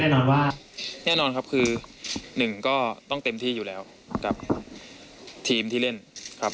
แน่นอนว่าแน่นอนครับคือหนึ่งก็ต้องเต็มที่อยู่แล้วกับทีมที่เล่นครับ